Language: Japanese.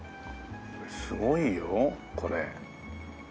すごいよこれ。